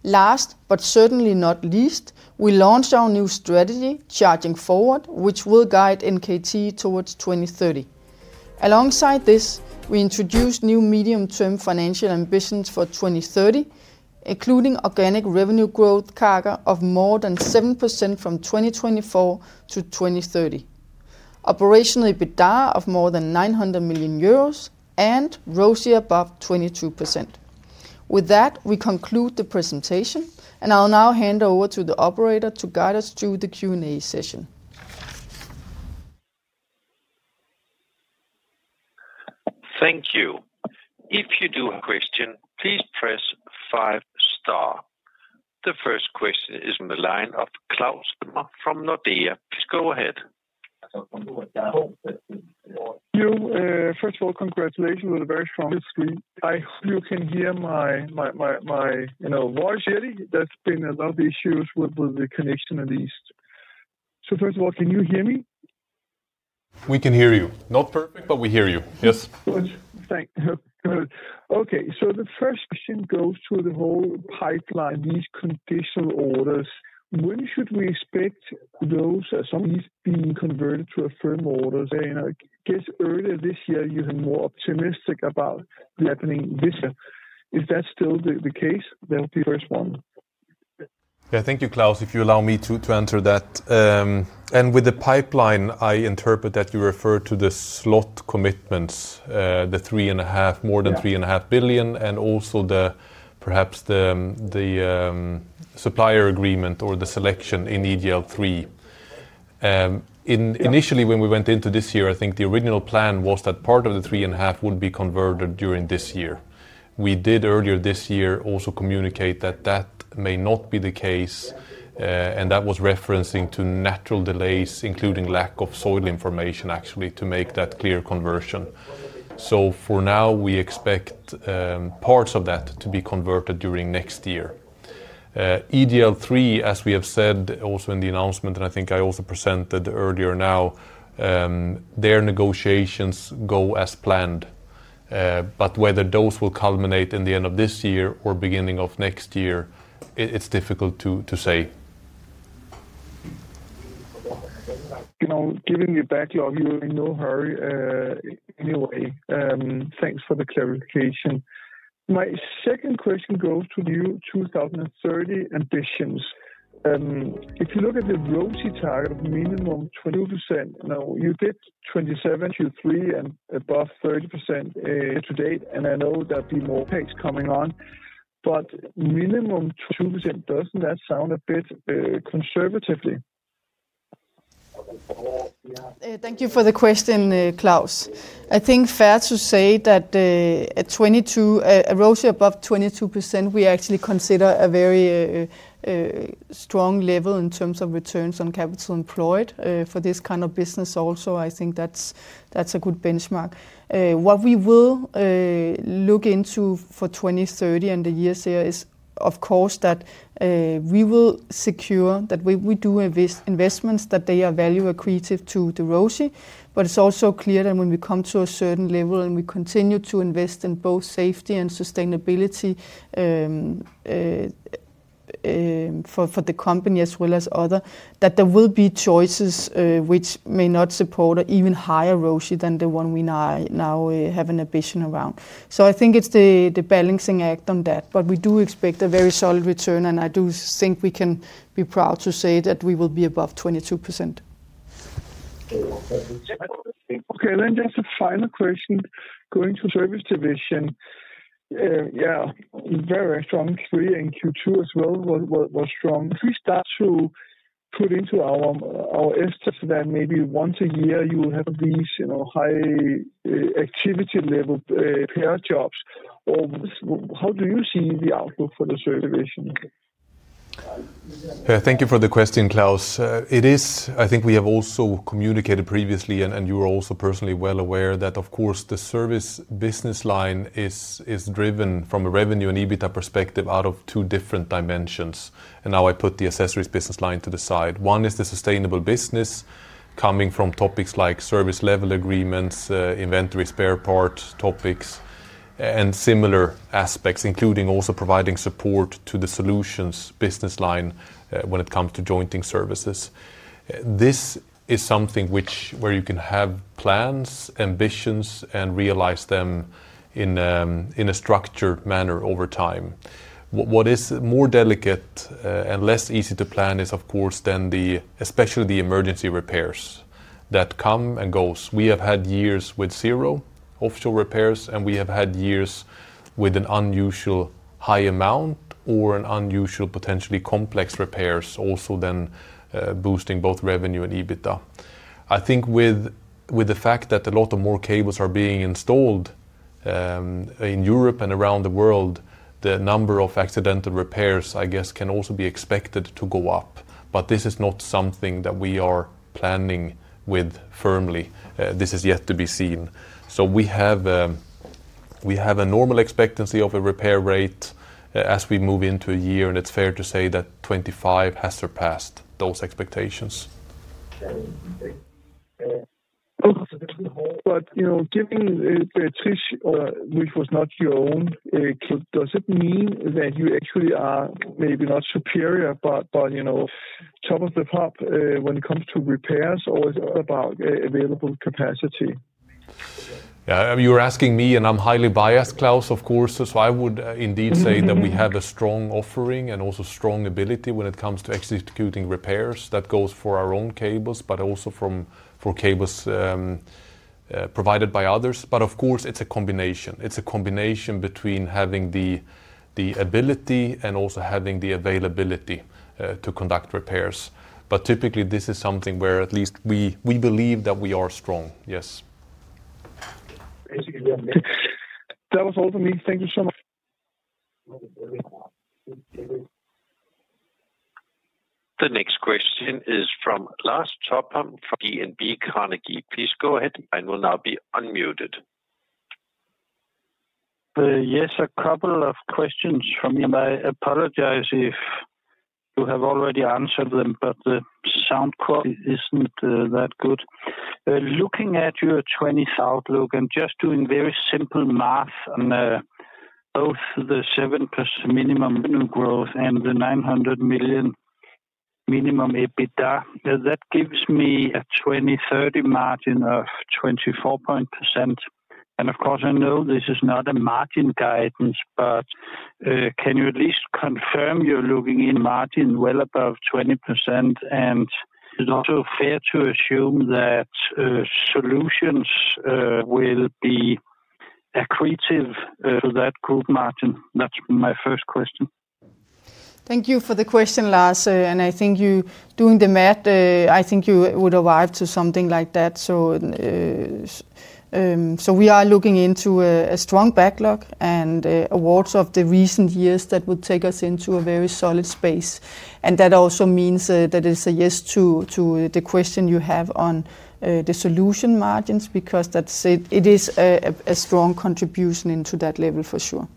Last but certainly not least, we launched our new strategy, Charging Forward, which will guide NKT towards 2030. Alongside this, we introduced new medium-term financial ambitions for 2030, including organic revenue growth, CAGR, of more than 7% from 2024 to 2030, operational EBITDA of more than 900 million euros, and RoCE above 22%. With that, we conclude the presentation, and I'll now hand over to the operator to guide us through the Q&A session. Thank you. If you do have a question, please press five star. The first question is from the line of Claus from Nordea. Please go ahead. Thank you. First of all, congratulations on a very strong history. I hope you can hear my voice. There's been a lot of issues with the connection in the east. First of all, can you hear me? We can hear you. Not perfect, but we hear you. Yes. Good. Thank you. The first question goes to the whole pipeline, these conditional orders. When should we expect those assumptions being converted to firm orders? I guess earlier this year, you were more optimistic about happening this year. Is that still the case? That would be the first one. Thank you, Claus, if you allow me to answer that. With the pipeline, I interpret that you refer to the slot commitments, the three and a half, more than 3.5 billion, and also perhaps the supplier agreement or the selection in EGL3. Initially, when we went into this year, I think the original plan was that part of the 3.5 billion would be converted during this year. We did earlier this year also communicate that that may not be the case, and that was referencing to natural delays, including lack of soil information, actually, to make that clear conversion. For now, we expect parts of that to be converted during next year. EGL3, as we have said also in the announcement, and I think I also presented earlier now, their negotiations go as planned. Whether those will culminate in the end of this year or beginning of next year, it's difficult to say. Giving you back, you know we're in no hurry anyway. Thanks for the clarification. My second question goes to you, 2030 ambitions. If you look at the RoCE target of minimum 22%, you did 27% in Q3 and above 30% to date, and I know there'll be more takes coming on, but minimum 22%, doesn't that sound a bit conservative? Thank you for the question, Klaus. I think fair to say that at RoCE above 22%, we actually consider a very strong level in terms of returns on capital employed for this kind of business. Also, I think that's a good benchmark. What we will look into for 2030 and the years here is, of course, that we will secure that we do investments that they are value accretive to the RoCE. It is also clear that when we come to a certain level and we continue to invest in both safety and sustainability for the company as well as others, there will be choices which may not support even higher RoCE than the one we now have an ambition around. I think it is the balancing act on that. We do expect a very solid return, and I do think we can be proud to say that we will be above 22%. Okay. Just a final question going to service division. Yeah. Very, very strong. Q3 and Q2 as well were strong. If we start to put into our estimate that maybe once a year you will have these high activity level repair jobs, how do you see the outlook for the service division? Thank you for the question, Claus. It is, I think we have also communicated previously, and you are also personally well aware that, of course, the service business line is driven from a revenue and EBITDA perspective out of two different dimensions. I now put the accessories business line to the side. One is the sustainable business coming from topics like service level agreements, inventory spare part topics, and similar aspects, including also providing support to the solutions business line when it comes to jointing services. This is something where you can have plans, ambitions, and realize them in a structured manner over time. What is more delicate and less easy to plan is, of course, then especially the emergency repairs that come and go. We have had years with zero offshore repairs, and we have had years with an unusually high amount or an unusually, potentially complex repairs, also then boosting both revenue and EBITDA. I think with the fact that a lot more cables are being installed in Europe and around the world, the number of accidental repairs, I guess, can also be expected to go up. This is not something that we are planning with firmly. This is yet to be seen. We have a normal expectancy of a repair rate as we move into a year, and it's fair to say that 2025 has surpassed those expectations. Given the position, which was not your own, does it mean that you actually are maybe not superior, but top of the top when it comes to repairs or about available capacity? Yeah. You're asking me, and I'm highly biased, Claus, of course. I would indeed say that we have a strong offering and also strong ability when it comes to executing repairs. That goes for our own cables, but also for cables provided by others. Of course, it's a combination. It's a combination between having the ability and also having the availability to conduct repairs. Typically, this is something where at least we believe that we are strong. Yes. Basically. That was all for me. Thank you so much. The next question is from Lars Topholm from DNB Carnegie. Please go ahead. Line will now be unmuted. Yes. A couple of questions from you. I apologize if you have already answered them, but the sound quality isn't that good. Looking at your 2030 outlook and just doing very simple math on both the 7% minimum growth and the 900 million minimum EBITDA, that gives me a 2030 margin of 24.7%. I know this is not a margin guidance, but can you at least confirm you're looking in margin well above 20%? Is it also fair to assume that solutions will be accretive to that group margin? That's my first question. Thank you for the question, Lars. I think you doing the math, you would arrive to something like that. We are looking into a strong backlog and awards of the recent years that would take us into a very solid space. That also means that it's a yes to the question you have on the solution margins because it is a strong contribution into that level for sure.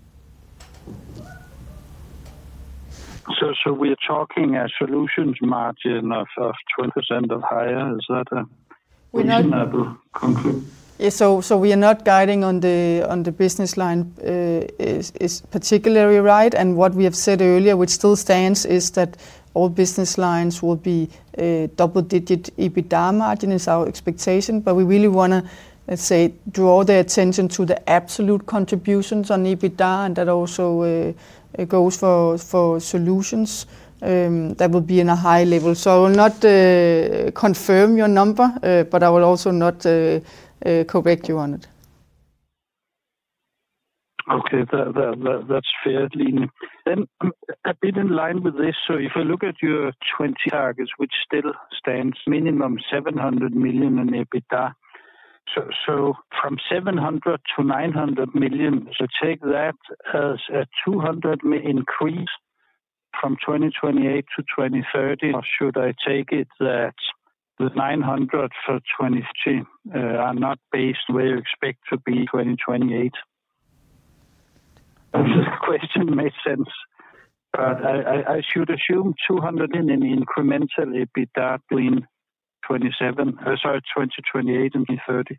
We are talking a solutions margin of 20% or higher. Is that a reasonable conclusion? We are not guiding on the business line particularly, right? What we have said earlier, which still stands, is that all business lines will be double-digit EBITDA margin is our expectation. We really want to, let's say, draw the attention to the absolute contributions on EBITDA, and that also goes for solutions that will be in a high level. I will not confirm your number, but I will also not correct you on it. Okay. That's fair leaning. A bit in line with this. If I look at your targets, which still stands, minimum 700 million in EBITDA. From 700 million to 900 million, take that as a 200 million increase from 2028 to 2030, or should I take it that the 900 million for 2030 are not based on where you expect to be in 2028? The question makes sense. I should assume 200 million in incremental EBITDA in 2027, sorry, 2028 and 2030.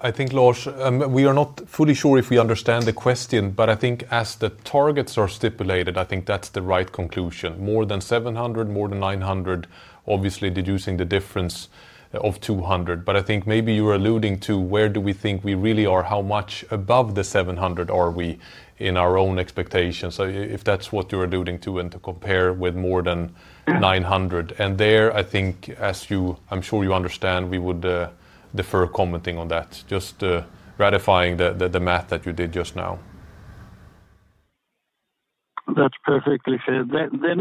I think, Lars, we are not fully sure if we understand the question, but as the targets are stipulated, I think that is the right conclusion. More than 700 million, more than 900 million, obviously deducing the difference of 200 million. Maybe you are alluding to where do we think we really are, how much above the 700 million are we in our own expectations? If that is what you are alluding to and to compare with more than 900 million. There, I think, as you, I'm sure you understand, we would defer commenting on that, just ratifying the math that you did just now. That's perfectly fair.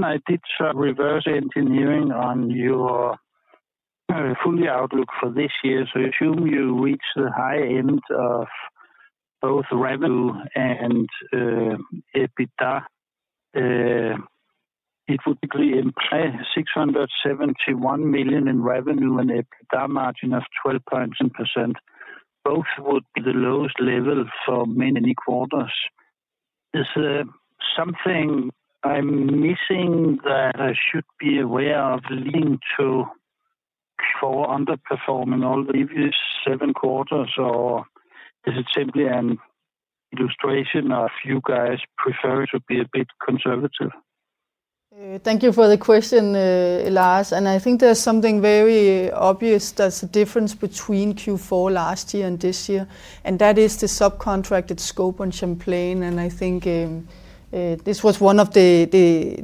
I did some reverse engineering on your full outlook for this year. Assume you reach the high end of both revenue and EBITDA. It would typically imply 671 million in revenue and EBITDA margin of 12.7%. Both would be the lowest level for many quarters. Is there something I'm missing that I should be aware of leading to underperforming all previous seven quarters, or is it simply an illustration of you guys preferring to be a bit conservative? Thank you for the question, Lars. I think there's something very obvious that's a difference between Q4 last year and this year. That is the subcontracted scope on Champlain. I think this was one of the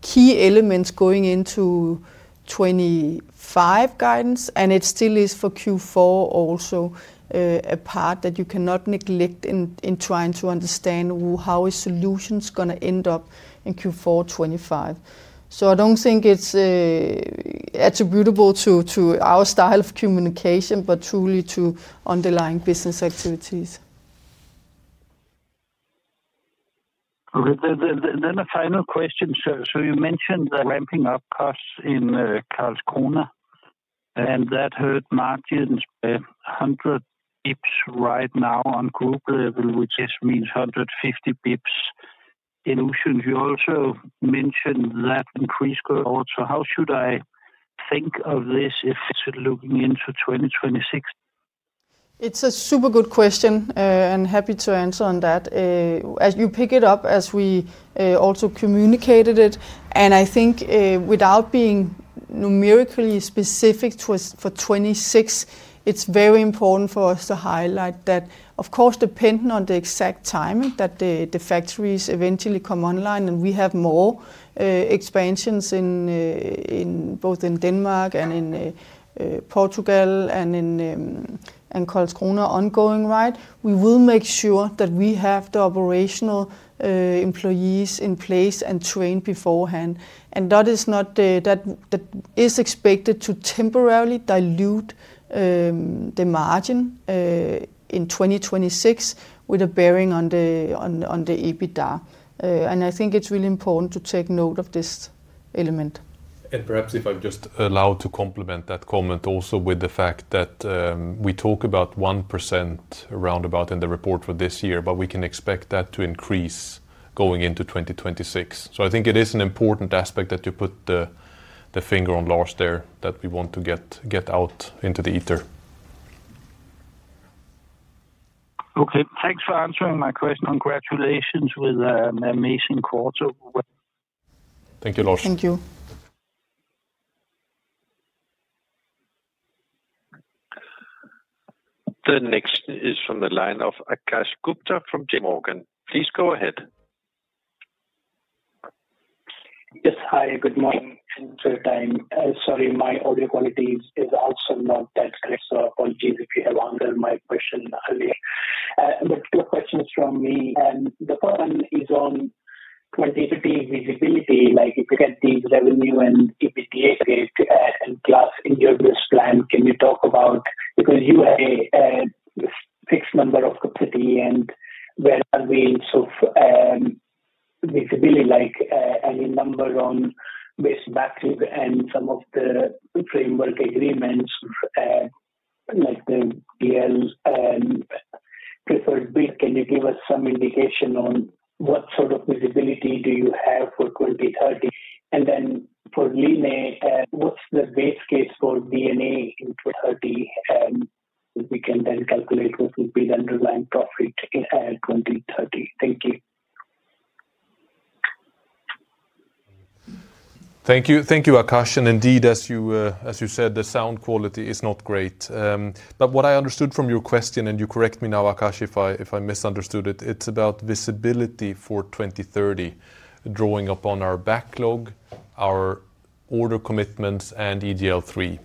key elements going into 2025 guidance. It still is for Q4, also a part that you cannot neglect in trying to understand how solutions are going to end up in Q4 2025. I do not think it is attributable to our style of communication, but truly to underlying business activities. Okay. A final question. You mentioned the ramping up costs in Karlskrona. That hurt margins by 100 basis points right now on group level, which just means 150 basis points in emissions. You also mentioned that increase going forward. How should I think of this if it is looking into 2026? It is a super good question and happy to answer on that. As you pick it up, as we also communicated it. I think without being numerically specific for 2026, it's very important for us to highlight that, of course, depending on the exact time that the factories eventually come online and we have more expansions in both Denmark and in Portugal and in Karlskrona ongoing, right? We will make sure that we have the operational employees in place and trained beforehand. That is expected to temporarily dilute the margin in 2026 with a bearing on the EBITDA. I think it's really important to take note of this element. Perhaps if I'm just allowed to complement that comment also with the fact that we talk about 1% roundabout in the report for this year, but we can expect that to increase going into 2026. I think it is an important aspect that you put the finger on, Lars, there that we want to get out into the ether. Okay. Thanks for answering my question. Congratulations with an amazing quarter. Thank you, Lars. Thank you. The next is from the line of Akash Gupta from JPMorgan. Please go ahead. Yes. Hi. Good morning. Sorry, my audio quality is also not that good. Apologies if you have angered my question earlier. Two questions from me. The first one is on 2030 visibility. If you get these revenue and EBITDA and class in your business plan, can you talk about because you have a fixed number of capacity and where are we in visibility? Any number on base battery and some of the framework agreements like the BL preferred build? Can you give us some indication on what sort of visibility do you have for 2030? And then for Line, what's the base case for D&A in 2030? We can then calculate what would be the underlying profit in 2030. Thank you. Thank you. Thank you, Akash. Indeed, as you said, the sound quality is not great. What I understood from your question, and you correct me now, Akash, if I misunderstood it, it's about visibility for 2030, drawing upon our backlog, our order commitments, and EGL3.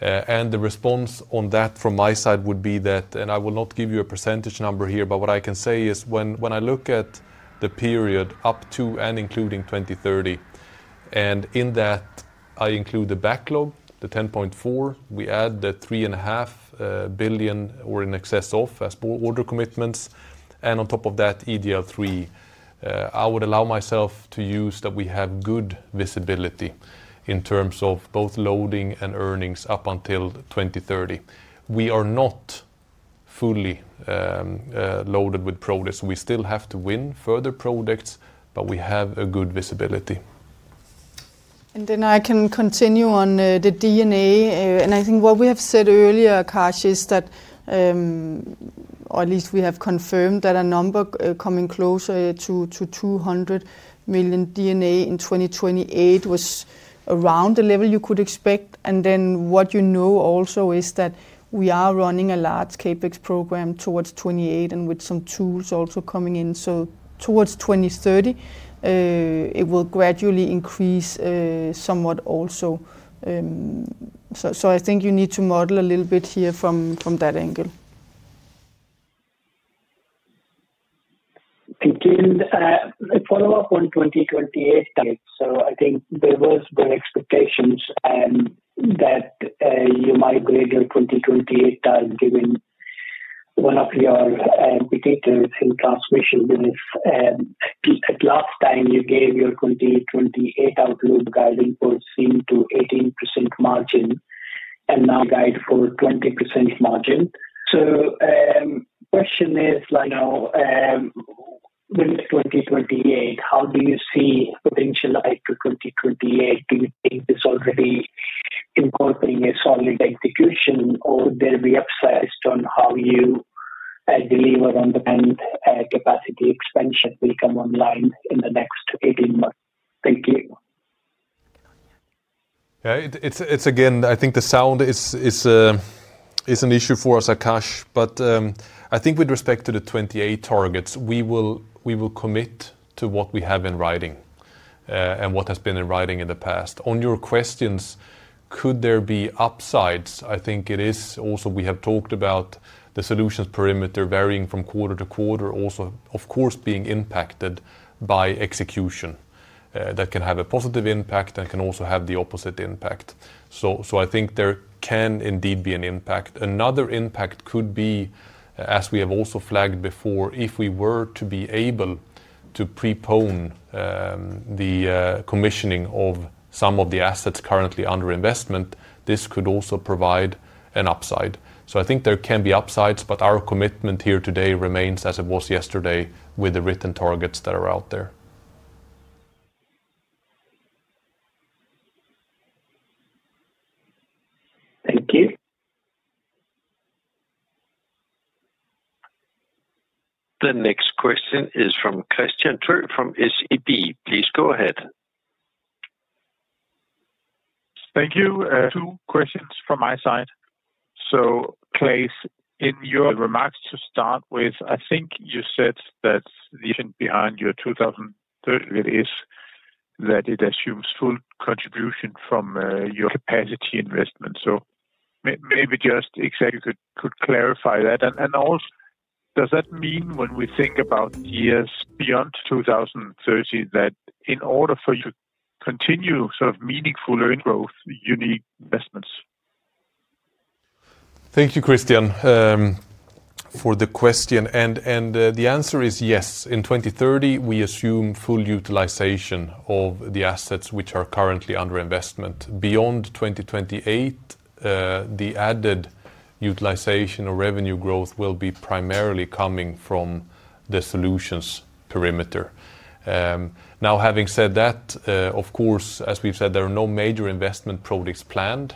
The response on that from my side would be that, I will not give you a percentage number here, but what I can say is when I look at the period up to and including 2030, and in that, I include the backlog, the 10.4 billion, we add the 3.5 billion or in excess of as order commitments, and on top of that, EGL3, I would allow myself to use that we have good visibility in terms of both loading and earnings up until 2030. We are not fully loaded with products. We still have to win further products, but we have good visibility. I can continue on the D&A. I think what we have said earlier, Akash, is that, or at least we have confirmed that a number coming closer to 200 million D&A in 2028 was around the level you could expect. What you know also is that we are running a large CapEx program towards 2028 and with some tools also coming in. Towards 2030, it will gradually increase somewhat also. I think you need to model a little bit here from that angle. Thank you. Follow-up on 2028. I think there was the expectation that you migrate your 2028 target given one of your indicators in transmission. Last time, you gave your 2028 outlook guiding for 18% margin and now you guide for 20% margin. The question is, with 2028, how do you see potential to 2028? Do you think it is already incorporating a solid execution, or would there be upside on how you deliver on the end capacity expansion that will come online in the next 18 months? Thank you. It's again, I think the sound is an issue for us, Akash, but I think with respect to the 2028 targets, we will commit to what we have in writing and what has been in writing in the past. On your questions, could there be upsides? I think it is also we have talked about the solutions perimeter varying from quarter to quarter, also, of course, being impacted by execution that can have a positive impact and can also have the opposite impact. I think there can indeed be an impact. Another impact could be, as we have also flagged before, if we were to be able to prepone the commissioning of some of the assets currently under investment, this could also provide an upside. I think there can be upsides, but our commitment here today remains as it was yesterday with the written targets that are out there. Thank you. The next question is from Kristian Tornøe from SEB. Please go ahead. Thank you. Two questions from my side. Claes, in your remarks to start with, I think you said that the mission behind your 2030 is that it assumes full contribution from your capacity investment. Maybe just exactly could clarify that. Also, does that mean when we think about years beyond 2030 that in order for you to continue sort of meaningful earning growth, you need investments? Thank you, Kristian, for the question. The answer is yes. In 2030, we assume full utilization of the assets which are currently under investment. Beyond 2028, the added utilization or revenue growth will be primarily coming from the solutions perimeter. Now, having said that, of course, as we've said, there are no major investment projects planned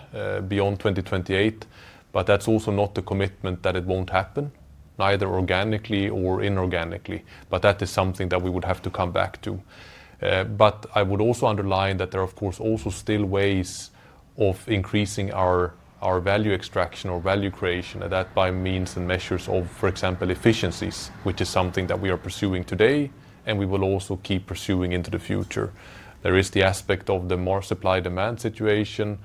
beyond 2028, but that's also not the commitment that it won't happen, neither organically or inorganically. That is something that we would have to come back to. I would also underline that there are, of course, also still ways of increasing our value extraction or value creation and that by means and measures of, for example, efficiencies, which is something that we are pursuing today and we will also keep pursuing into the future. There is the aspect of the more supply-demand situation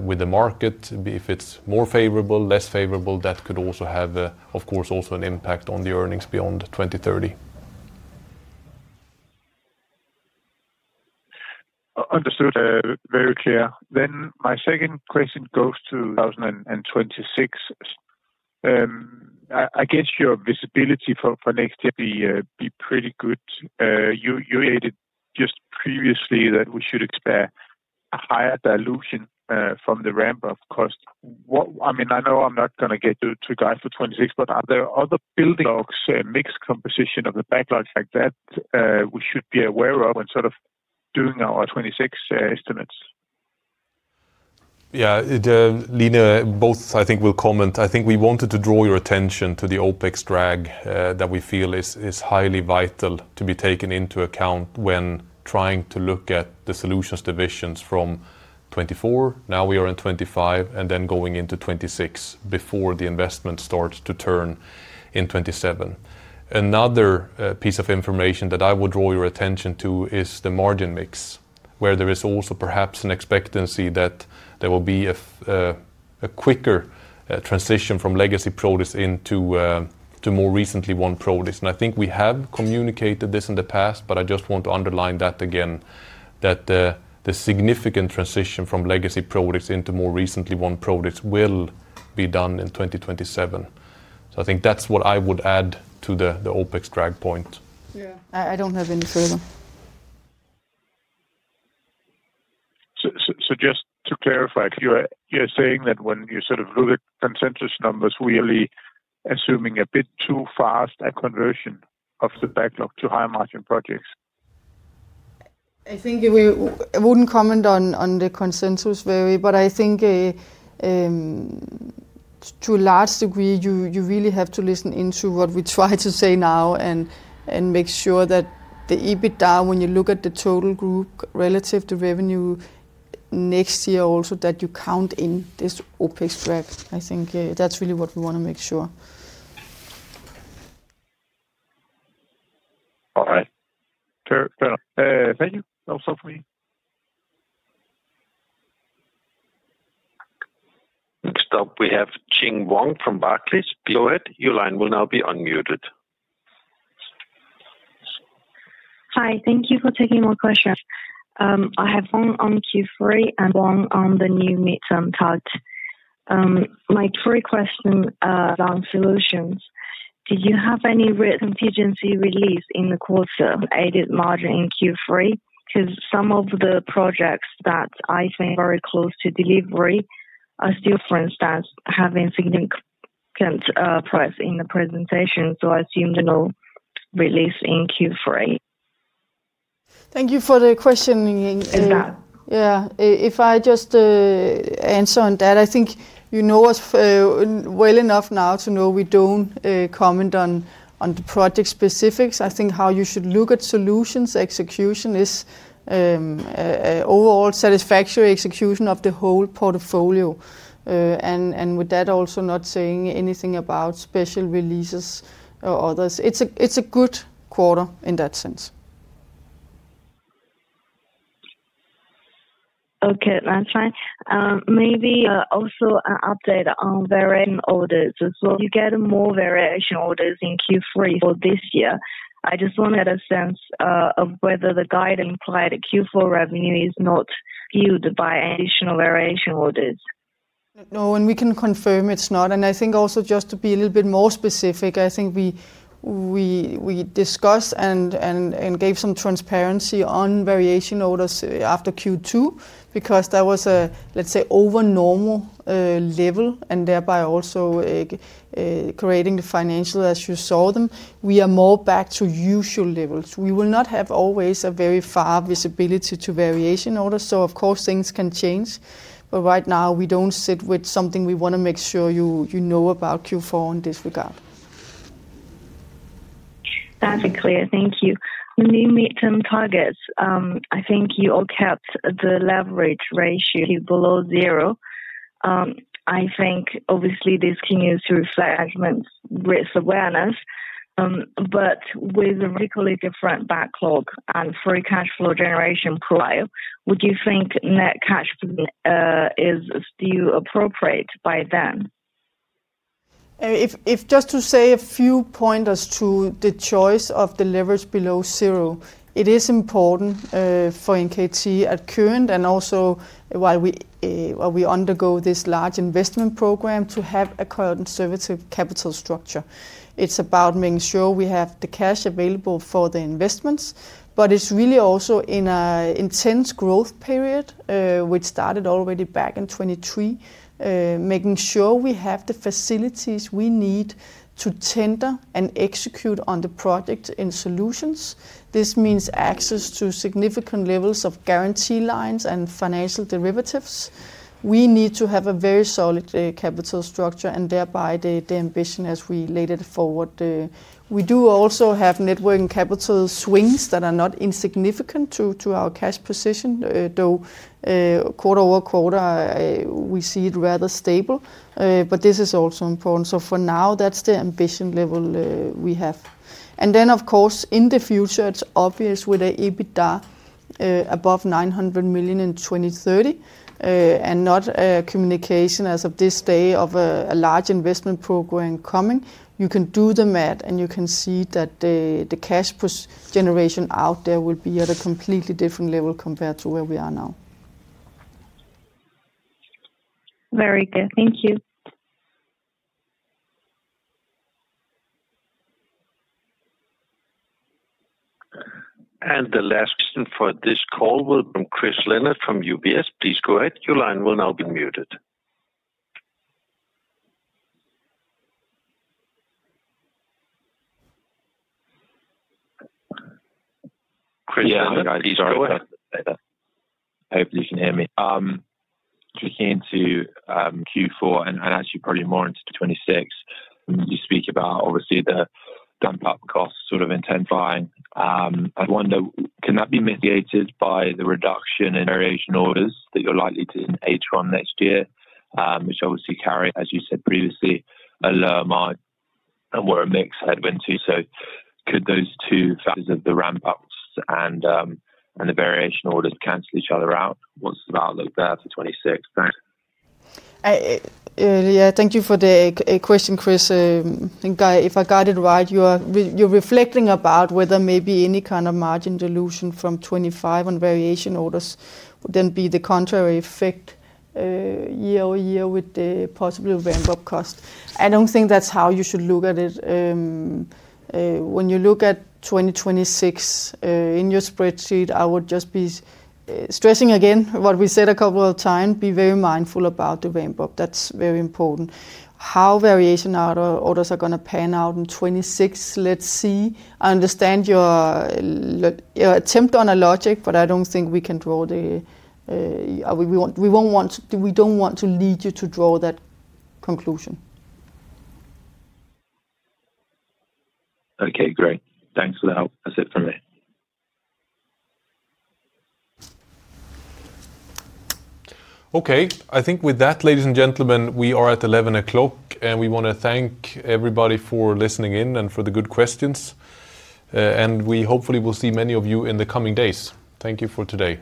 with the market. If it's more favorable, less favorable, that could also have, of course, also an impact on the earnings beyond 2030. Understood. Very clear. My second question goes to 2026. I guess your visibility for next year will be pretty good. You stated just previously that we should expect a higher dilution from the ramp-up cost. I mean, I know I'm not going to get to guide for 2026, but are there other building blocks, mixed composition of the backlog like that we should be aware of when sort of doing our 2026 estimates? Yeah. Line, both, I think, will comment. I think we wanted to draw your attention to the OpEx drag that we feel is highly vital to be taken into account when trying to look at the Solutions divisions from 2024. Now we are in 2025 and then going into 2026 before the investment starts to turn in 2027. Another piece of information that I would draw your attention to is the margin mix, where there is also perhaps an expectancy that there will be a quicker transition from legacy produce into more recently won produce. I think we have communicated this in the past, but I just want to underline that again, that the significant transition from legacy produce into more recently won produce will be done in 2027. I think that's what I would add to the OpEx drag point. Yeah. I don't have any further. Just to clarify, you're saying that when you sort of look at consensus numbers, we are assuming a bit too fast a conversion of the backlog to high-margin projects. I think I wouldn't comment on the consensus very, but I think to a large degree, you really have to listen into what we try to say now and make sure that the EBITDA, when you look at the total group relative to revenue next year, also that you count in this OpEx drag. I think that's really what we want to make sure. All right. Fair enough. Thank you. That was all from me. Next up, we have Xin Wang from Barclays. Go ahead. Your line will now be unmuted. Hi. Thank you for taking my question. I have one on Q3 and one on the new midterm target. My three questions around solutions. Did you have any written contingency release in the quarter-added margin in Q3? Because some of the projects that I think are very close to delivery are still, for instance, having significant price in the presentation. I assume no release in Q3. Thank you for the question. Yeah. If I just answer on that, I think you know us well enough now to know we do not comment on the project specifics. I think how you should look at solutions execution is overall satisfactory execution of the whole portfolio. With that, also not saying anything about special releases or others. It's a good quarter in that sense. Okay. That's fine. Maybe also an update on variation orders as well. You get more variation orders in Q3 for this year. I just wanted a sense of whether the guiding part of Q4 revenue is not fueled by additional variation orders. No, and we can confirm it's not. I think also just to be a little bit more specific, I think we discussed and gave some transparency on variation orders after Q2 because that was a, let's say, overnormal level and thereby also creating the financial as you saw them. We are more back to usual levels. We will not have always a very far visibility to variation orders. Of course, things can change. Right now, we don't sit with something we want to make sure you know about Q4 in this regard. That's clear. Thank you. The new midterm targets, I think you all kept the leverage ratio below zero. I think, obviously, this continues to reflect management's risk awareness. With a radically different backlog and free cash flow generation profile, would you think net cash is still appropriate by then? Just to say a few points as to the choice of the leverage below zero, it is important for NKT at current and also while we undergo this large investment program to have a conservative capital structure. It is about making sure we have the cash available for the investments, but it is really also in an intense growth period. We started already back in 2023, making sure we have the facilities we need to tender and execute on the project in solutions. This means access to significant levels of guarantee lines and financial derivatives. We need to have a very solid capital structure and thereby the ambition as we laid it forward. We do also have networking capital swings that are not insignificant to our cash position, though quarter-over-quarter, we see it rather stable. This is also important. For now, that's the ambition level we have. Of course, in the future, it's obvious with the EBITDA above 900 million in 2030 and not communication as of this day of a large investment program coming, you can do the math and you can see that the cash generation out there will be at a completely different level compared to where we are now. Very good. Thank you. The last question for this call will be from Chris Leonard from UBS. Please go ahead. Your line will now be muted. Chris, please go ahead. Hopefully, you can hear me. Switching into Q4 and actually probably more into 2026, you speak about, obviously, the ramp-up costs sort of intensifying. I wonder, can that be mitigated by the reduction in variation orders that you're likely to engage on next year, which obviously carry, as you said previously, a lower margin and were a mix I had went to? Could those two factors of the ramp-ups and the variation orders cancel each other out? What's the outlook there for 2026? Thank you for the question, Chris. If I got it right, you're reflecting about whether maybe any kind of margin dilution from 2025 on variation orders would then be the contrary effect year-over-year with the possible ramp-up cost. I don't think that's how you should look at it. When you look at 2026 in your spreadsheet, I would just be stressing again what we said a couple of times, be very mindful about the ramp-up. That is very important. How variation orders are going to pan out in 2026, let's see. I understand your attempt on a logic, but I do not think we can draw the—we do not want to lead you to draw that conclusion. Okay. Great. Thanks for the help. That is it from me. Okay. I think with that, ladies and gentlemen, we are at 11:00 A.M., and we want to thank everybody for listening in and for the good questions. We hopefully will see many of you in the coming days. Thank you for today.